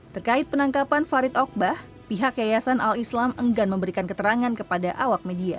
terkait penangkapan farid okbah pihak yayasan al islam enggan memberikan keterangan kepada awak media